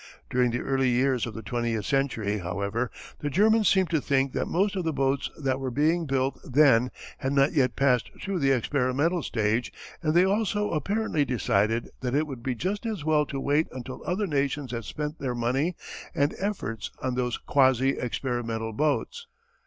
During the early years of the twentieth century, however, the Germans seemed to think that most of the boats that were being built then had not yet passed through the experimental stage and they also apparently decided that it would be just as well to wait until other nations had spent their money and efforts on these quasi experimental boats.